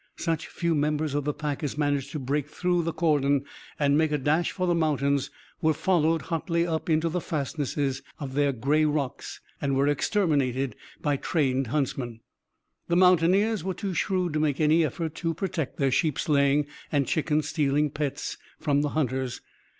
Such few members of the pack as managed to break through the cordon and make a dash for the mountains were followed hotly up into the fastnesses of the grey rocks and were exterminated by trained huntsmen. The mountaineers were too shrewd to make any effort to protect their sheep slaying and chicken stealing pets from the hunters.